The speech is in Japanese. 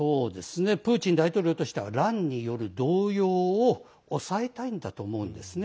プーチン大統領としては乱による動揺を抑えたいんだと思うんですね。